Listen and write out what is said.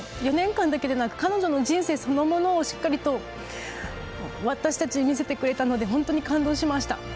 ４年間だけじゃなく彼女の人生そのものをしっかりと私たちに見せてくれたので本当に感動しました。